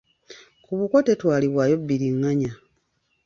Ku buko tetwalibwayo bbiringanya.